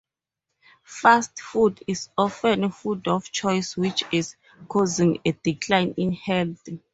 Fast food is often food of choice, which is causing a decline in health.